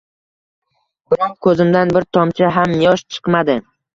Biroq, ko`zimdan bir tomchi ham yosh chiqmadi